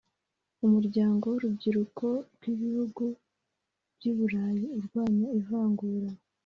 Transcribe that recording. umuryango w’urubyiruko rw’ibihugu by’iburayi urwanya ivangura